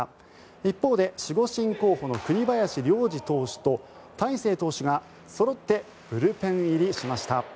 一方で守護神候補の栗林良吏投手と大勢投手がそろってブルペン入りしました。